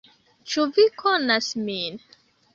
"Ĉu vi konas min?"